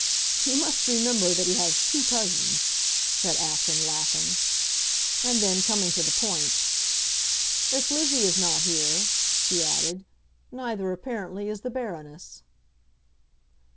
"You must remember that he has two cousins," said Acton, laughing. And then, coming to the point, "If Lizzie is not here," he added, "neither apparently is the Baroness."